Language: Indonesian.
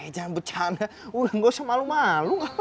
jangan becana udah gak usah malu malu